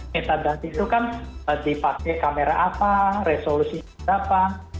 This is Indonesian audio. metadata itu kan dipakai kamera apa resolusi apa